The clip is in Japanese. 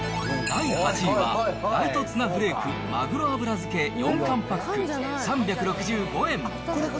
第８位は、ライトツナフレークまぐろ油漬け４缶パック３６５円。